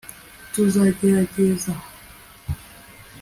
tuzagerageza